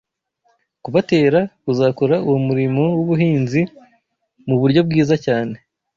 kubatera kuzakora uwo murimo w’ubuhinzi mu buryo bwiza cyane